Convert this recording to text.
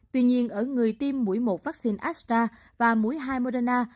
tuy nhiên ở người tiêm mũi một vaccine astra và mũi hai moderna